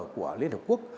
của liên hợp quốc